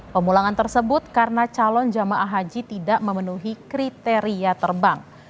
pemulangan tersebut karena calon jamaah haji tidak memenuhi kriteria terbang